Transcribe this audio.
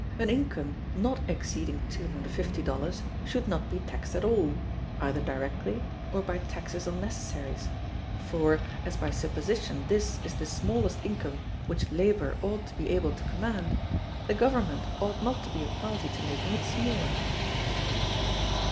An income not exceeding [$250] should not be taxed at all, either directly or by taxes on necessaries; for, as by supposition this is the smallest income which labor ought to be able to command, the government ought not to be a party to making it smaller.